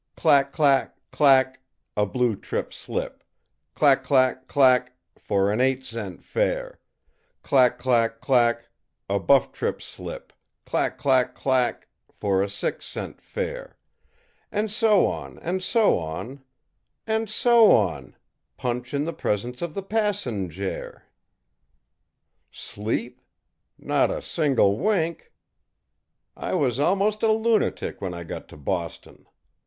'Clack clack clack, a blue trip slip, clack clack clack, for an eight cent fare; clack clack clack, a buff trip slip, clack clack clack, for a six cent fare, and so on, and so on, and so on punch in the presence of the passenjare!' Sleep? Not a single wink! I was almost a lunatic when I got to Boston.